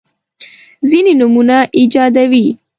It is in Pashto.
ځیني نومونه ایجادوي.